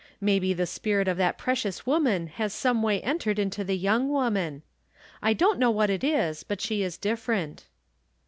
Maybe the spirit of that precious woman has someway entered into the young woman. I don't know what it is, but she is different."